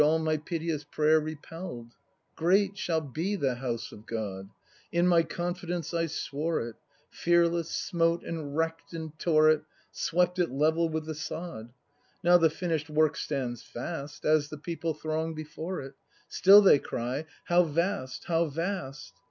All my piteous prayer repell'd! — Great shall be the House of God; In my confidence I swore it; Fearless, smote and wreck'd and tore it. Swept it level with the sod. Now the finish'd work stands fast. As the people throng before it. Still they cry: "How vast! how vast!"